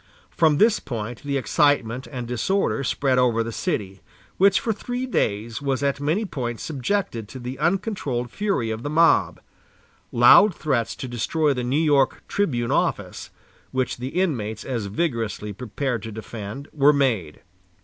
From this point the excitement and disorder spread over the city, which for three days was at many points subjected to the uncontrolled fury of the mob. Loud threats to destroy the New York "Tribune" office, which the inmates as vigorously prepared to defend, were made.